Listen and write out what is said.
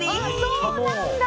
そうなんだ。